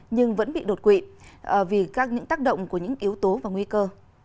nhưng vẫn bị đột quỵ vì các những tác động của những yếu tố và nguy cơ